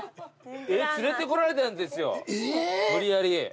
えっ連れてこられたんですよ無理やり。